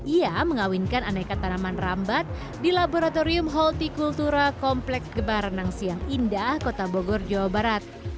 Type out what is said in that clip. ia mengawinkan aneka tanaman rambat di laboratorium holti kultura kompleks gebar renang siang indah kota bogor jawa barat